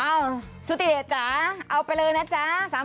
เอ้าสุติเดชจ๊ะเอาไปเลยนะจ๊ะ